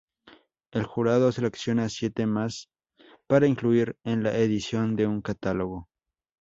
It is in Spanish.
El jurado selecciona siete más para incluir en la edición de un catálogo.